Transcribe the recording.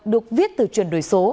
được viết từ truyền đổi số